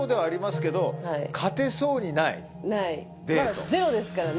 まだゼロですからね。